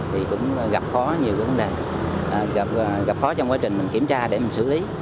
thì cũng gặp khó trong quá trình mình kiểm tra để mình xử lý